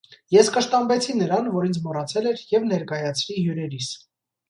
Ես կշտամբեցի նրան, որ ինձ մոռացել էր, և ներկայացրի հյուրերիս: